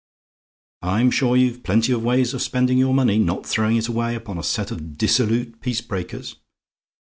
"I'm sure you've plenty of ways of spending your money not throwing it away upon a set of dissolute peace breakers.